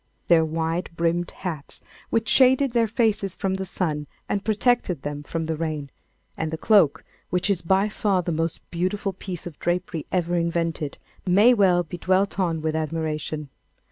Their wide brimmed hats, which shaded their faces from the sun and protected them from the rain, and the cloak, which is by far the most beautiful piece of drapery ever invented, may well be dwelt on with admiration.